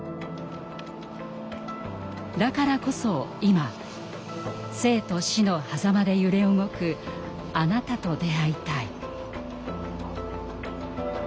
だからこそ今生と死のはざまで揺れ動く“あなた”と出会いたい。